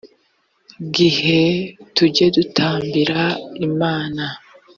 gihe tujye dutambira imana